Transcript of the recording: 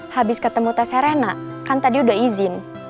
habis ketemu tess serena kan tadi udah izin